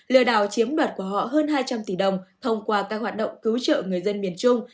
lừa đảo chiếm đoạt của họ hơn hai trăm linh tỷ đồng thông qua các hoạt động cứu trợ người dân miền trung